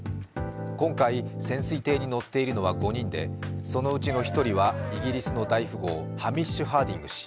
今回、潜水艇に乗っているのは５人で、そのうちの１人はイギリスの大富豪、ハミッシュ・ハーディング氏。